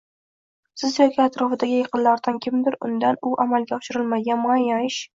siz yoki atrofidagi yaqinlaridan kimdir undan u amalga oshirolmaydigan muayyan ish.